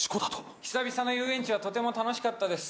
久々の遊園地はとても楽しかったです。